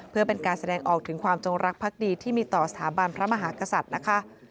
เพื่อเป็นการแสดงออกถึงความจงรักภักดีที่มีต่อสถาบันพระมหากษัตริย์นะคะ